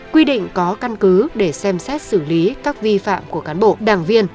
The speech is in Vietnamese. quy định có căn cứ để xem xét xử lý các vi phạm của cán bộ đảng viên